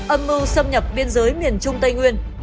âm mưu xâm nhập biên giới miền trung tây nguyên